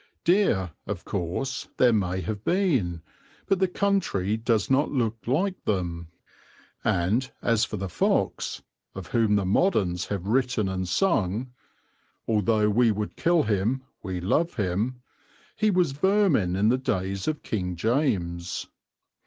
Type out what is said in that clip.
Deer, of course, there may have been; but the country does not look like them; and as for the fox, of whom the moderns have written and sung, "Although we would kill him we love him," he was vermin in the days of King James.